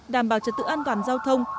đảm bảo trật tự an toàn giao thông